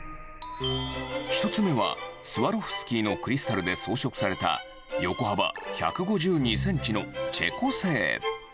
１つ目はスワロフスキーのクリスタルで装飾された、横幅１５２センチのチェコ製。